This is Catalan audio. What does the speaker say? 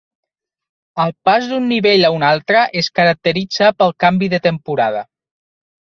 El pas d'un nivell a un altre es caracteritza pel canvi de temporada.